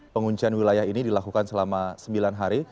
penguncian wilayah ini dilakukan selama sembilan hari